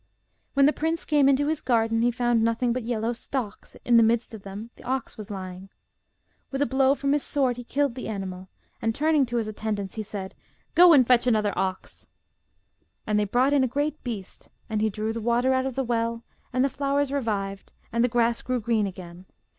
When the prince came into his garden he found nothing but yellow stalks; in the midst of them the ox was lying. With a blow from his sword he killed the animal, and, turning to his attendants, he said, 'Go and fetch another ox!' And they brought in a great beast, and he drew the water out of the well, and the flowers revived, and the grass grew green again.